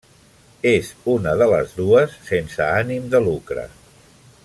És una de les dues sense ànim de lucre.